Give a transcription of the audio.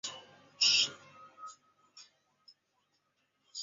元统一全国后下诏毁福州城墙。